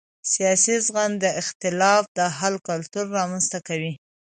سیاسي زغم د اختلاف د حل کلتور رامنځته کوي